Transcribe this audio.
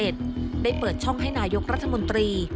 ได้เปิดช่องให้นายกรัฐมนตรี